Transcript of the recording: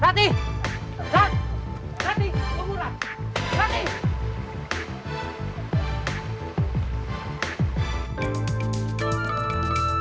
rati saya mencintai kamu hanya dengan cara menikahlah jalan satu satunya untuk menutupi rasa malu itu